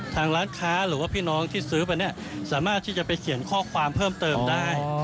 ทางร้านค้าสามารถที่จะไปเขียนข้อความเพิ่มเติมได้